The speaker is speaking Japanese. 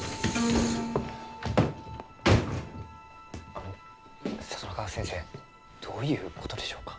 あの里中先生どういうことでしょうか？